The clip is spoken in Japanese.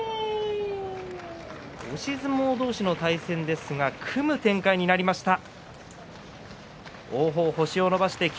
押し相撲同士の対戦ですが組む展開になりました。